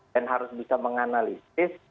dan harus bisa menganalisis